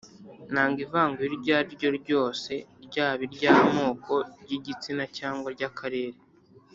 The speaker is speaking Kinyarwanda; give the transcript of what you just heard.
Nanga ivangura iryo ari ryo ryose ryaba iry’amoko ry’igitsina cyangwa ry’akarere